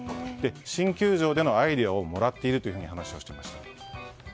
新球場でのアイデアをもらっていると話していました。